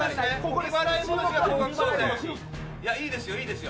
いいですよ、いいですよ。